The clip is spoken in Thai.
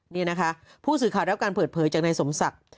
นี่นะคะผู้สื่อข่าวรับการเปิดเผยจากนายสมศักดิ์